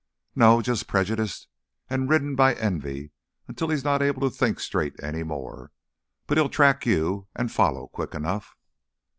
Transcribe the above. "No, just prejudiced and ridden by envy until he's not able to think straight any more. But he'll track you and follow quick enough!"